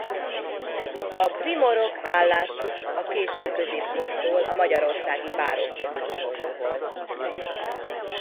A primorok állásuk a késő középkortól a magyarországi bárókhoz hasonló volt.